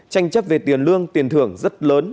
tranh chấp về tiền lương tiền thưởng rất lớn